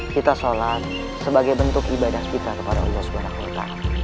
kita sholat sebagai bentuk ibadah kita kepada allah swt